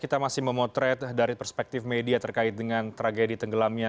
kita masih memotret dari perspektif media terkait dengan tragedi tenggelamnya